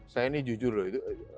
saya ini jujur loh itu